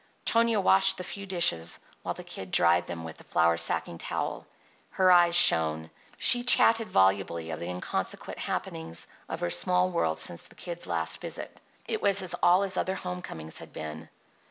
Tonia washed the few dishes while the Kid dried them with the flour sacking towel. Her eyes shone; she chatted volubly of the inconsequent happenings of her small world since the Kid's last visit; it was as all his other home comings had been.